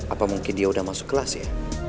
apa mungkin dia udah masuk kelas ya